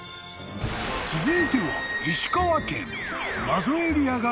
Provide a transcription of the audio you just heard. ［続いては］